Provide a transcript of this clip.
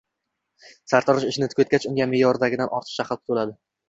Sartarosh ishini tugatgach, unga meʼyordagidan ortiqroq haq toʻladi